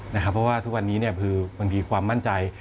เพราะว่าทุกวันนี้คือบางทีความมั่นใจ